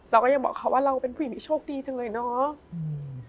เราก็ยังบอกเขาว่าเราเป็นผู้หญิงที่โชคดีจังเลยเนาะ